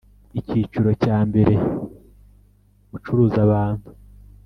Icyiciro cya mbere Gucuruza abantu